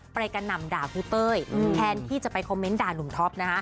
กระหน่ำด่าครูเต้ยแทนที่จะไปคอมเมนต์ด่านุ่มท็อปนะฮะ